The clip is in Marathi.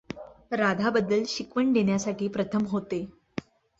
राधा बद्दल शिकवण देण्यासाठी प्रथम होते.